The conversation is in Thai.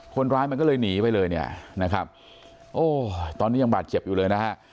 คนร้ายมันก็เลยหนีไปเลยเนี่ยนะครับโอ้ตอนนี้ยังบาดเจ็บอยู่เลยนะฮะ